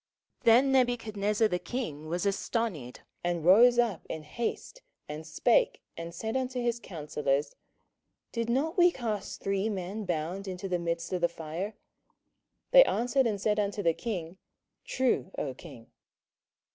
27:003:024 Then Nebuchadnezzar the king was astonied, and rose up in haste, and spake, and said unto his counsellors, Did not we cast three men bound into the midst of the fire? They answered and said unto the king, True, O king.